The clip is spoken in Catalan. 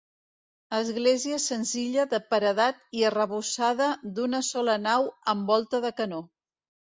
Església senzilla de paredat i arrebossada d'una sola nau amb volta de canó.